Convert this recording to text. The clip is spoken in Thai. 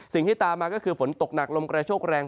สิ่งที่ตามมาก็คือฝนตกหนักลมกระโชคแรง